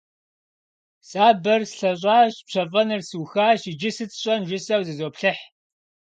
Сабэр слъэщӏащ, пщэфӏэныр сухащ, иджы сыт сщӏэн жысӏэу зызоплъыхь.